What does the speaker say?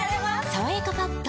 「さわやかパッド」